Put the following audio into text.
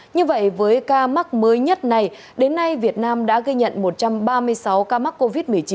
như vậy với ca mắc mới nhất này đến nay việt nam đã ghi nhận một trăm ba mươi sáu ca mắc covid một mươi chín